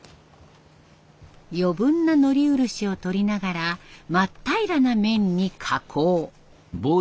余分なのり漆をとりながら真っ平らな面に加工。